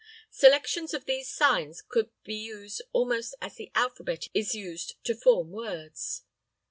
Selections of these signs could be used almost as the alphabet is used to form words.